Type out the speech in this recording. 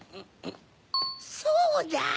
そうだ！